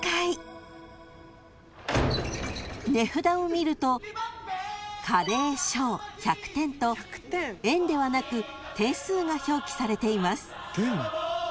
［値札を見るとカレー小１００点と「円」ではなく点数が表記されています］